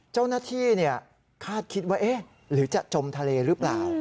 เจ้าหน้าที่เนี่ยคาดคิดว่าเอ๊ะหรือจะจมทะเลรึเปล่า